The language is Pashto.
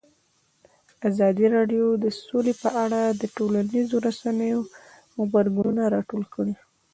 ازادي راډیو د سوله په اړه د ټولنیزو رسنیو غبرګونونه راټول کړي.